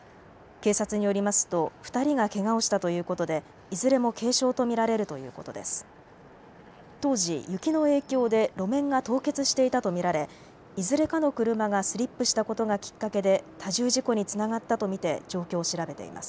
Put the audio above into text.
警察によりますと２人がけがをしたということで、いずれも軽傷と見られるということです。